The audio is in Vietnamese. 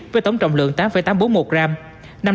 với tổng trọng lượng tám tám trăm bốn mươi một gram